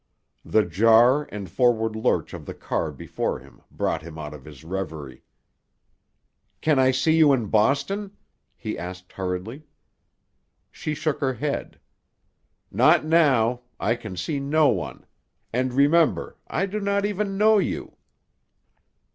The jar and forward lurch of the car before him brought him out of his reverie. "Can I see you in Boston?" he asked hurriedly. She shook her head. "Not now. I can see no one. And, remember, I do not even know you."